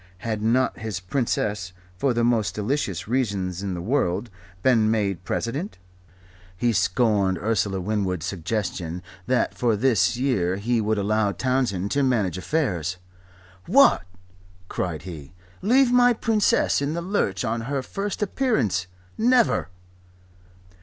Had not his Princess, for the most delicious reasons in the world, been made President? He scorned Ursula Winwood's suggestion that for this year he would allow Townsend to manage affairs. "What!" cried he, "leave my Princess in the lurch on her first appearance? Never!"